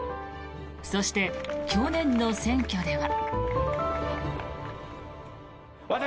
そして、去年の選挙では。